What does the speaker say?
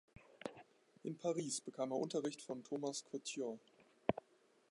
In Paris bekam er Unterricht von Thomas Couture.